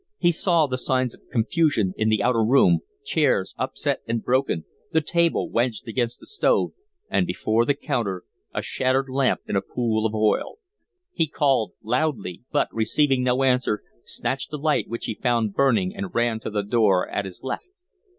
He saw the signs of confusion in the outer room, chairs upset and broken, the table wedged against the stove, and before the counter a shattered lamp in a pool of oil. He called loudly, but, receiving no answer, snatched a light which, he found burning and ran to the door at his left.